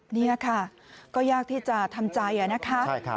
นี่ค่ะก็ยากที่จะทำใจนะคะ